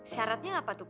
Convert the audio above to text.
syaratnya apa tupak